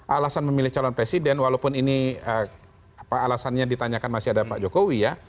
alasan memilih calon presiden walaupun ini alasannya ditanyakan masih ada pak jokowi ya